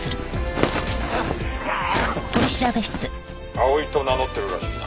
「葵と名乗ってるらしいな」